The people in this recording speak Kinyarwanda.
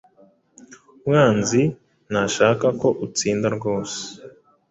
Umwanzi ntashaka ko utsinda rwose